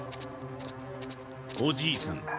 おじいさん